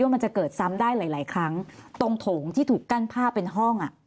อยู่มันจะเกิดซ้ำได้หลายครั้งตรงโถงที่ถูกกั้นเพราะเป็นห้อง